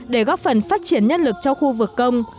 để góp phần phát triển nhân lực cho khu vực công